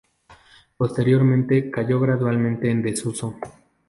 Posteriormente cayó gradualmente en desuso.